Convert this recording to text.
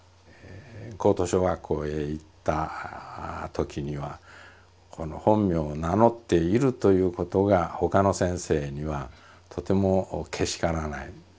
高等小学校へ行ったときにはこの本名を名乗っているということが他の先生にはとてもけしからない。